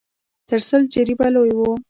تر سل جريبه لوى و.